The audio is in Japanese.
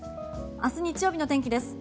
明日日曜日の天気です。